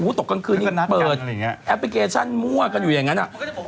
ตกกลางคืนนี้นะเปิดแอปพลิเคชันมั่วกันอยู่อย่างนั้น